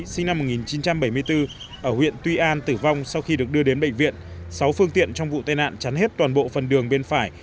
sinh năm một nghìn chín trăm bảy mươi bốn ở huyện tuy an tử vong sau khi được đưa đến bệnh viện sáu phương tiện trong vụ tai nạn chắn hết toàn bộ phần đường bên phải